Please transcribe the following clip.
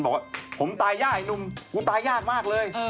บอกว่าผมตายยากไอ้หนุ่มกูตายยากมากเลย